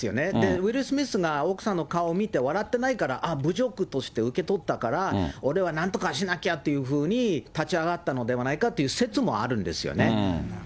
ウィル・スミスが、奥さんの顔見て笑ってないから、あっ、侮辱として受け取ったから、俺はなんとかしなきゃっていうふうに、立ち上がったのではないかって説もあるんですよね。